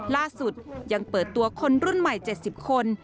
ล่าสุดยังเปิดตัวคนรุ่นใหม่๗๐คน